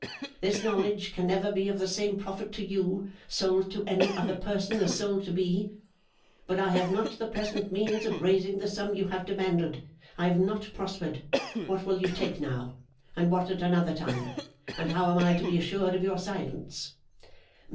This knowledge can never be of the same profit to you, sold to any other person, as sold to me. But I have not the present means of raising the sum you have demanded. I have not prospered. What will you take now, and what at another time, and how am I to be assured of your silence?